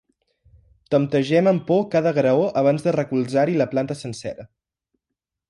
Temptegem amb por cada graó abans de recolzar-hi la planta sencera.